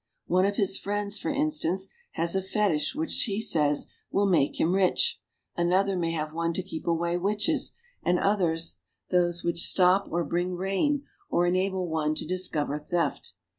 One of his friends, for instance, has a fetish which he says will make him rich ; another may have one to keep away witches; and others those which stop or bring rain or enable one to dis cover theft.